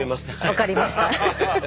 分かりました。